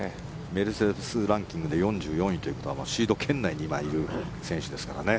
メルセデス・ランキングで４４位ということはシード圏内に今、いる選手ですからね。